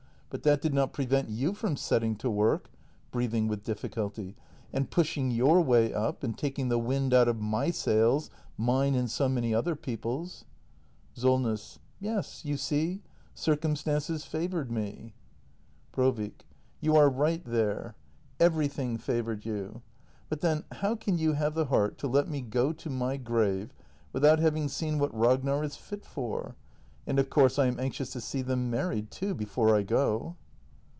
But that did not prevent you from setting to work — [breathing with difficulty] — and pushing your way up, and taking the wind out of my sails — mine, and so many other people's. Solness. Yes, you see — circumstances favoured me. Brovik. You are right there. Everything favoured you. But then how can you have the heart to let me go to my grave — without having seen what Ragnar is fit for? And of course I am anxious to see them married, too — before I go.